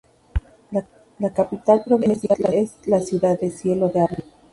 La capital provincial es la ciudad de Ciego de Ávila.